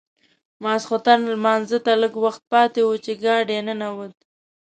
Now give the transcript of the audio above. ماخوستن لمانځه ته لږ وخت پاتې و چې ګاډی ننوت.